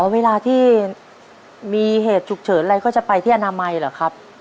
เวลาที่มีเหตุฉุกเฉินอะไรก็จะไปที่อนามัยเหรอครับ